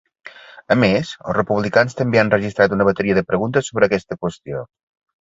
A més, els republicans també han registrat una bateria de preguntes sobre aquesta qüestió.